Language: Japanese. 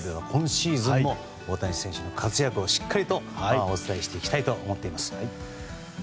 今シーズンも大谷選手の活躍をしっかりとお伝えしていきたいと思っています。